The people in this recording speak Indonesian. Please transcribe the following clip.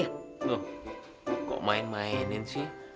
loh kok main mainin sih